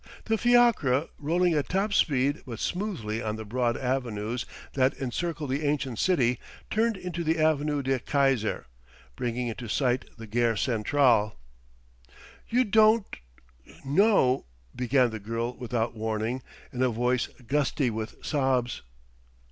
The fiacre, rolling at top speed but smoothly on the broad avenues that encircle the ancient city, turned into the Avenue de Keyser, bringing into sight the Gare Centrale. "You don't k know " began the girl without warning, in a voice gusty with sobs.